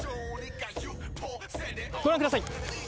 ご覧ください。